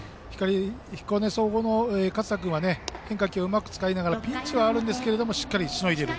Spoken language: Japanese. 彦根総合の勝田君は変化球をうまく使いながらピンチはあるんですけれどしっかりしのいでいる。